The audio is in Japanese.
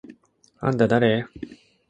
あんただれ？！？